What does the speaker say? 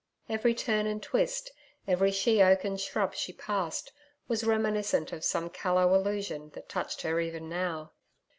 Every turn and twist, every she oak and shrub she passed, was reminiscent of some callow illusion that touched her even now.